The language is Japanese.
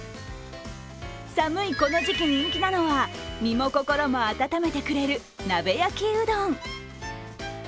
寒いこの時期、人気なのは身も心も温めてくれる鍋焼きうどん。